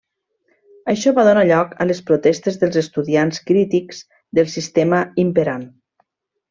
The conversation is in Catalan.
Això va donar lloc a les protestes dels estudiants crítics del sistema imperant.